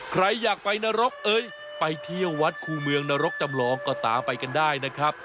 ใครอยากไปนรกเอ้ยไปเที่ยววัดคู่เมืองนรกจำลองก็ตามไปกันได้นะครับ